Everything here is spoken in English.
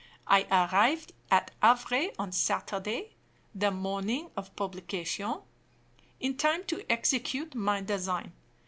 I arrived at Havre on Saturday (the morning of publication), in time to execute my design.